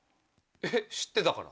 えっ知ってたから。